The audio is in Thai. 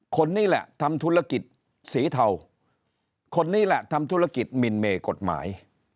คนนี้แหละทำธุรกิจสีเทาคนนี้แหละทำธุรกิจมินเมกฎหมาย